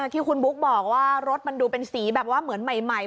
ที่คุณบุ๊กบอกว่ารถมันดูเป็นสีแบบว่าเหมือนใหม่